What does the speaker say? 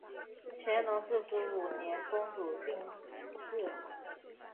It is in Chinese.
乾隆四十五年公主病逝。